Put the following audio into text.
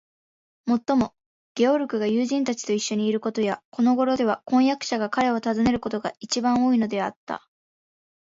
もっとも、ゲオルクが友人たちといっしょにいることや、このごろでは婚約者が彼を訪ねることが、いちばん多いのではあった。